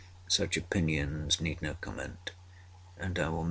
Such opinions need no comment, and I will make none.